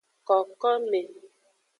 Kokome.